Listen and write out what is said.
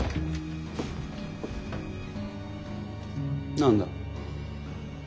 何だ？